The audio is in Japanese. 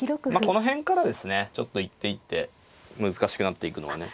この辺からですねちょっと一手一手難しくなっていくのはね。